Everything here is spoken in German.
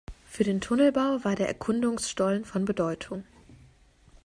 Für den Tunnelbau war der Erkundungsstollen von Bedeutung.